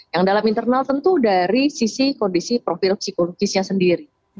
yang dalam internal tentu dari sisi kondisi profil psikologisnya sendiri